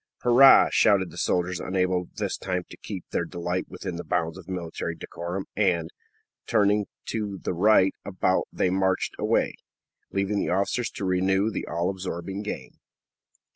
"Hurrah!" shouted the soldiers, unable this time to keep their delight within the bounds of military decorum; and, turning to the right about, they marched away, leaving the officers to renew the all absorbing game.